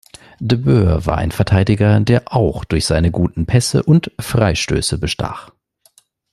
De Boer war ein Verteidiger, der auch durch seine guten Pässe und Freistöße bestach.